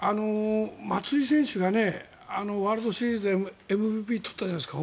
松井選手がワールドシリーズでＭＶＰを取ったじゃないですか。